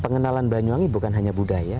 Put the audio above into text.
pengenalan banyuwangi bukan hanya budaya